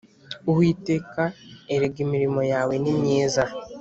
Uwiteka erega imirimo yawe nimyiza